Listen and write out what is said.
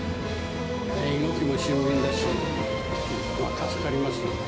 動きも俊敏だし、助かります。